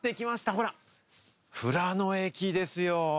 ほら、富良野駅ですよ。